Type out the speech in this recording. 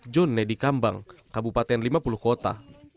john nedi kambang kabupaten lima puluh kota